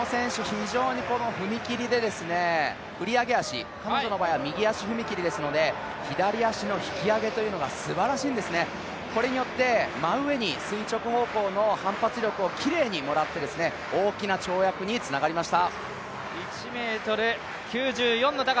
非常に踏み切りで振り上げ足彼女の場合は右足踏み切りですので左足の引き上げというのがすばらしいんですね、これによって真上に垂直方向の反発力をきれいにもらって、大きな跳躍につながりました。